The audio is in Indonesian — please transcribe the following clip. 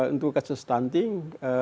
untuk kasus stunting